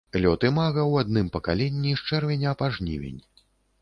Лёт імага ў адным пакаленні з чэрвеня па жнівень.